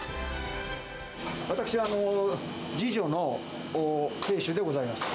私、次女の亭主でございます。